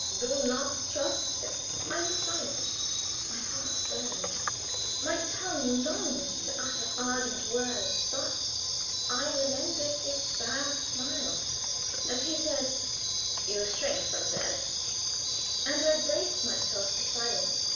Do not trust him." I was silent. My heart burned; my tongue longed to utter ardent words, but I remembered his sad smile as he said, "You shrink from that," and I braced myself to silence.